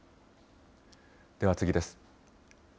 では次です。